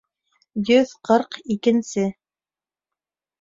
Йөҙ ҡырҡ икенсе